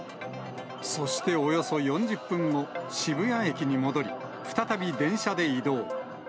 そしておよそ４０分後、渋谷駅に戻り、再び電車で移動。